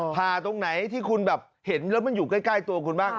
ผ่าตรงไหนที่คุณแบบเห็นแล้วมันอยู่ใกล้ตัวคุณบ้าง